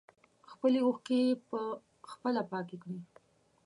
خپلې اوښکې په خپله پاکې کړئ.